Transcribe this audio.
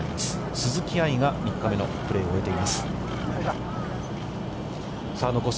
鈴木愛が３日目のプレーを終えています。